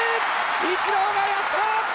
イチローがやった！